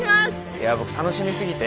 いや僕楽しみすぎて。